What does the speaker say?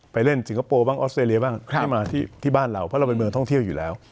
เล่นสิงคโปร์บ้างออสเตรเลียบ้างที่มาที่บ้านเราเพราะเราเป็นเมืองท่องเที่ยวอยู่แล้ว